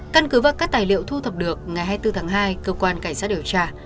căn cứ và các tài liệu thu thập được ngày hai mươi bốn tháng hai cơ quan cảnh sát điều tra